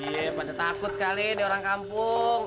iya pada takut kali ini orang kampung